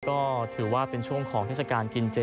ก็ถือว่าเป็นช่วงของเทศกาลกินเจ